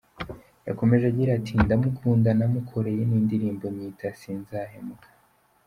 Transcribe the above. Yakomeje agira ati :« Ndamukunda namukoreye n’indirimbo nyita Sinzahemuka.